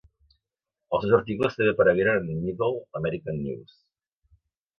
Els seus articles també aparegueren en "Middle American News".